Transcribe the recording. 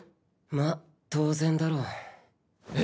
まあ当然だろう。え？